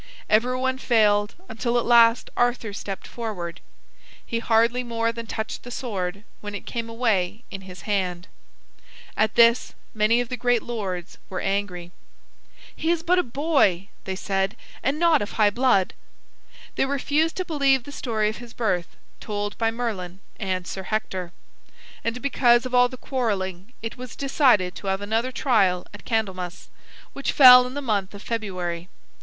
Everyone failed until at last Arthur stepped forward. He hardly more than touched the sword when it came away in his hand. At this many of the great lords were angry. [Illustration: "He hardly more than touched the sword"] "He is but a boy," they said, "and not of high blood." They refused to believe the story of his birth told by Merlin and Sir Hector. And because of all the quarreling, it was decided to have another trial at Candlemas, which fell in the month of February.